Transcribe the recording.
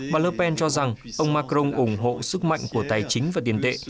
bà le pen cho rằng ông macron ủng hộ sức mạnh của tài chính và tiền tệ